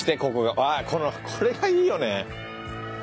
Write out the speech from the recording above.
わあこれがいいよね。